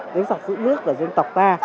đến dọc dữ nước của dân tộc ta